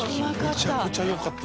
むちゃくちゃよかったな。